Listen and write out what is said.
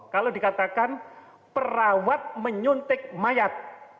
kalau dikatakan perawat menyuntik mayat